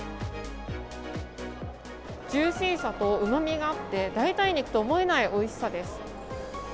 ジューシーさとうまみがあって代替肉とは思えないおいしさです。